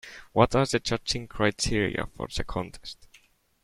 What are the judging criteria for the contest?